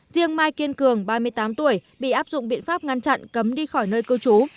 riêng mai kiên cường ba mươi tám tuổi bị áp dụng biện pháp ngăn chặn cấm đi khỏi nơi cư trú